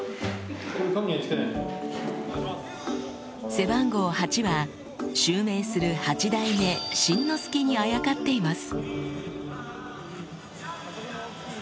背番号８は襲名する八代目新之助にあやかっています